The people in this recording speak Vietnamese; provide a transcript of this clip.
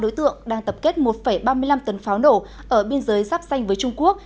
đối tượng đang tập kết một ba mươi năm tấn pháo nổ ở biên giới sắp xanh với trung quốc